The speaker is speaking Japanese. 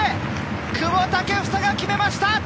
久保建英が決めました！